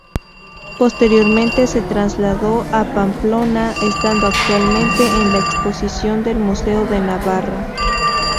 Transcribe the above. Posteriormente se trasladó a Pamplona estando actualmente en la exposición del Museo de Navarra.